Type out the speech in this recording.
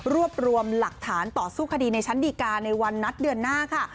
รวบรวมหลักฐานต่อสู้คดีในชั้นดีการในวันนัดเดือนหน้าค่ะ